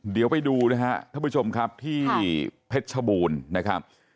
เดี๋ยวไปดูนะฮะท่านผู้ชมครับที่เพชรชบูรณ์นะครับ